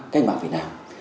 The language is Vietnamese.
cách mạng việt nam